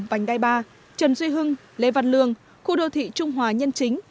vành đai ba trần duy hưng lê văn lương khu đô thị trung hòa nhân chính